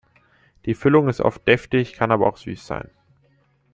Die Füllung ist oft deftig, kann aber auch süß sein.